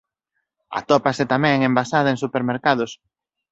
Atópase tamén envasada en supermercados.